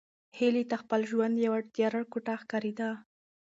هیلې ته خپل ژوند یوه تیاره کوټه ښکارېده.